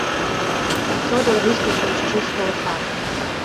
Тодар выскачыў з чыстае хаты.